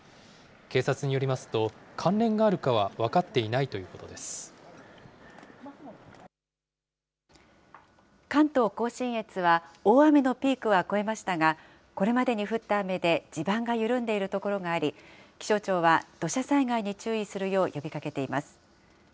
警察によりますと、関連があるか関東甲信越は、大雨のピークは越えましたが、これまでに降った雨で地盤が緩んでいる所があり、気象庁は、土砂災害に注意するよう呼びかけています。